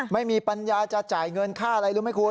ไม่มีปัญญาจะจ่ายเงินค่าอะไรรู้ไหมคุณ